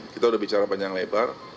kita udah bicara panjang lebar